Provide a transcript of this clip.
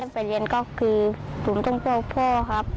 ไปเรียนก็คือผมต้องพวกพ่อครับ